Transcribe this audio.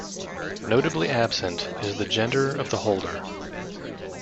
Notably absent is the gender of the holder.